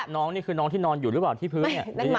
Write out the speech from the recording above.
น้องนี่คือน้องที่นอนอยู่รึเปล่าที่พื้น